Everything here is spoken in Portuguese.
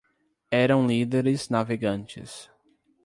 Eram líderes navegantes